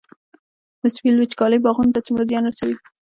د سویل وچکالي باغونو ته څومره زیان رسوي؟